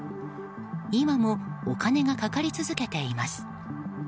今もお金がかかり続けています。